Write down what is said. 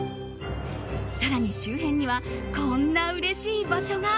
更に周辺にはこんなうれしい場所が。